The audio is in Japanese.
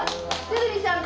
鶴見さん